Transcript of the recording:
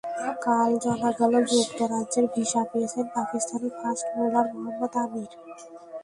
কাল জানা গেল, যুক্তরাজ্যের ভিসা পেয়েছেন পাকিস্তানি ফাস্ট বোলার মোহাম্মদ আমির।